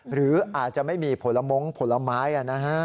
หรืออาจจะไม่มีผลมงค์ผลไม้นะฮะ